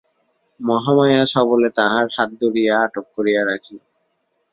মহামায়া সবলে তাহার হাত ধরিয়া আটক করিয়া রাখিল।